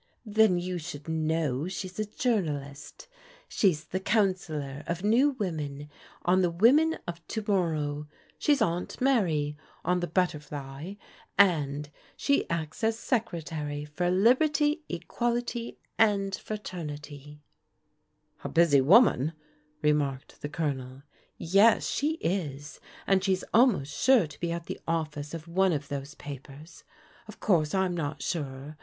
" Then you should know she's a journalist She's the 'Counsellor of New Women,' on The Women of To mor row, She's 'Aunt Mary ' on The Butterfly, and she acts as Secretary for Liberty, Equality and Fraternity/* " A busy woman," remarked the Colonel. " Yes, she is, and she's almost sure to be at the office of one of those papers. Of course I'm not sure.